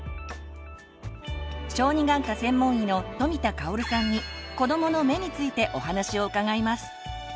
小児眼科専門医の富田香さんに「子どもの目」についてお話を伺います。